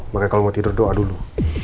makanya kalo mau tidur doa dulu